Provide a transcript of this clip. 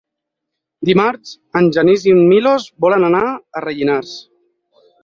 Dimarts en Genís i en Milos volen anar a Rellinars.